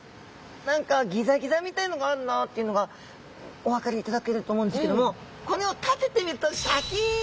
何かギザギザみたいのがあるなっていうのがお分かりいただけると思うんですけどもこれを立ててみるとシャキーン！